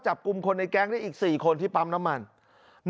จะลักลอบลำเลียงยาเสพติดจากจังหวัดเชียงราย